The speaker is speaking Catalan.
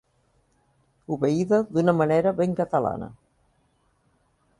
Obeïda d'una manera ben catalana.